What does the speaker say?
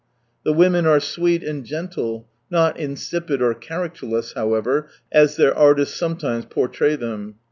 The women are sweet and gentle, not insipid or characterless, however, as their artists sometimes portray them.